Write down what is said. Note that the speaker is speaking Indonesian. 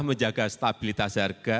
menjaga stabilitas harga